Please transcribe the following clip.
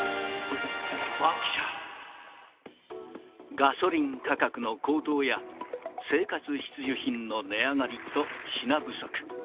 ガソリン価格の高騰や生活必需品の値上がりと品不足。